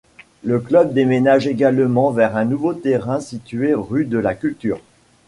Le club déménage également vers un nouveau terrain situé Rue de la Culture.